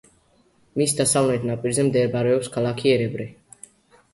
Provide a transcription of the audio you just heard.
მის დასავლეთ ნაპირზე მდებარეობს ქალაქი ერებრე.